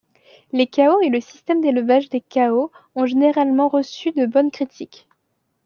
Les Chao et le système d'élevage des Chao ont généralement reçu de bonnes critiques.